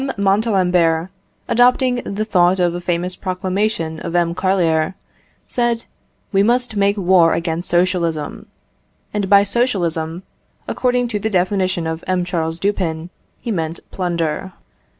Montalembert, adopting the thought of a famous proclamation of M. Carlier, said, "We must make war against socialism." And by socialism, according to the definition of M. Charles Dupin, he meant plunder.